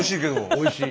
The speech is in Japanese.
おいしい。